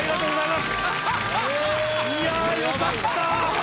いやよかった。